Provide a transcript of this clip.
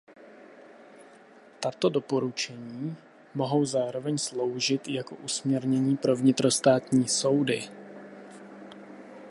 Tato doporučení mohou zároveň sloužit jako usměrnění pro vnitrostátní soudy.